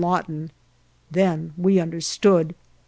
LAWTON." Then we understood.